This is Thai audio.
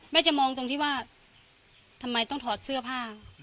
จะมองตรงที่ว่าทำไมต้องถอดเสื้อผ้า